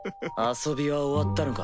遊びは終わったのか？